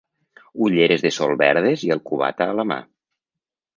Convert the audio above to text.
Ulleres de sol verdes i el cubata a la mà.